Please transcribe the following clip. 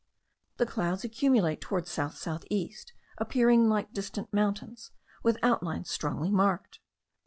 The clouds accumulate towards south south east, appearing like distant mountains, with outlines strongly marked.